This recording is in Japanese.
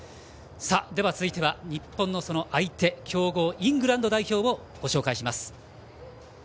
続いては日本の相手強豪イングランド代表をご紹介します。